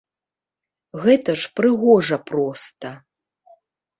Гэта ж прыгожа проста.